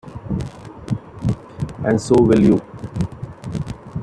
And so will you.